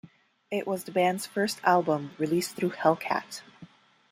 It was the band's first album released through Hellcat.